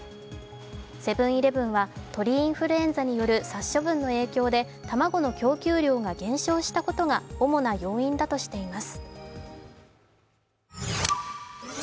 セブン−イレブンは鳥インフルエンザによる殺処分の影響で卵の供給量が減少したことが主な要因だとしています。